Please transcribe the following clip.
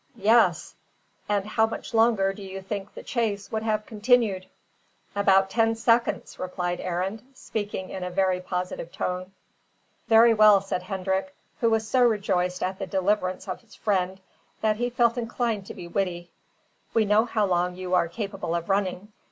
"Yes." "And how much longer do you think the chase would have continued?" "About ten seconds," replied Arend, speaking in a very positive tone. "Very well," said Hendrik, who was so rejoiced at the deliverance of his friend that he felt inclined to be witty. "We know now how long you are capable of running.